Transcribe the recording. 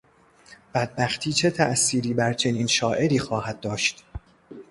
بدبختی چه تاءثیری بر چنین شاعری خواهد داشت؟